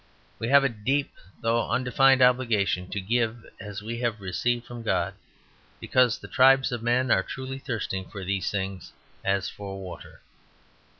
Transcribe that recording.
We have a deep though undefined obligation to give as we have received from God; because the tribes of men are truly thirsting for these things as for water.